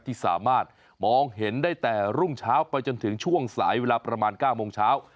ที่สามารถมองเห็นได้แต่รุ่งเช้าไปจนถึงช่วงสายเวลาประมาณ๙โมงเช้า